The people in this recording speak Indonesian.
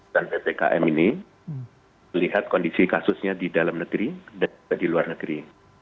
ppkm ini melihat kondisi kasusnya di dalam negeri dan juga di luar negeri